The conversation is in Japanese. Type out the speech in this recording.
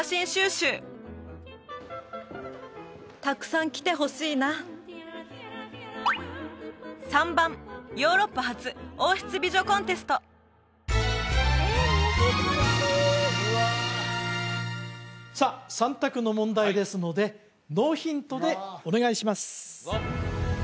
たくさん来てほしいな３番ヨーロッパ初王室美女コンテストさあ３択の問題ですのでノーヒントでお願いします